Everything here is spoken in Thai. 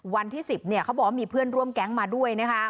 วันที่๑๐เขาบอกว่ามีเพื่อนร่วมแก๊งมาด้วยนะคะ